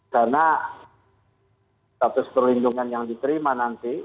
karena status perlindungan yang diterima nanti